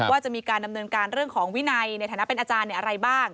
ว่าจะมีการดำเนินการเรื่องของวินัยในฐานะเป็นอาจารย์อะไรบ้าง